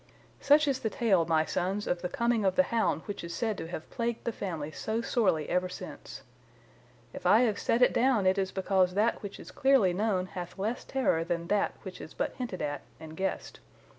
"Such is the tale, my sons, of the coming of the hound which is said to have plagued the family so sorely ever since. If I have set it down it is because that which is clearly known hath less terror than that which is but hinted at and guessed.